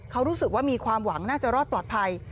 เขารู้สึกว่ามีความหวังน่าจะรอดปลอดภัย